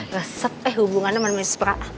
resep deh hubungannya sama manis perak